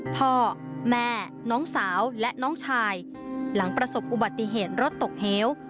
พ่อแม่น้องสาวและน้องชายหลังประสบอุบัติเหตุรถตกเหว